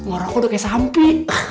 orangku udah kayak sampi